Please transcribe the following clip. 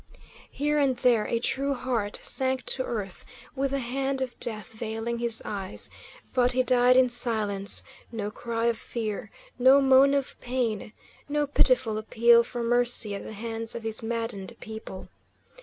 Here and there a true heart sank to earth with the hand of death veiling his eyes, but he died in silence; no cry of fear, no moan of pain, no pitiful appeal for mercy at the hands of his maddened people.